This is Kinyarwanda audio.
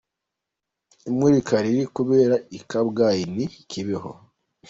Imurika riri kubera i Kabgayi n’i Kibeho.